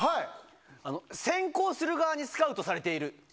選考する側にスカウトされている。